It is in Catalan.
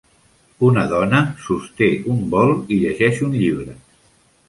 Una dona sosté un bol i llegeix un llibre.